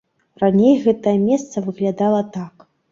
Раней гэтае месца выглядала так.